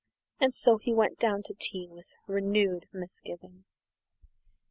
And so he went down to tea with renewed misgivings.